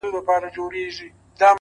خپل ارزښتونه په عمل وښایئ’